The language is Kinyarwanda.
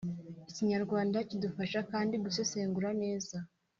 ikinyarwanda kidufasha kandi gusesengura neza